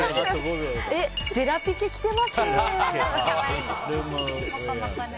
ジェラピケ着てます。